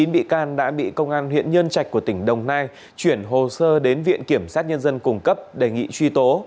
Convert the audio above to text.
chín bị can đã bị công an huyện nhân trạch của tỉnh đồng nai chuyển hồ sơ đến viện kiểm sát nhân dân cung cấp đề nghị truy tố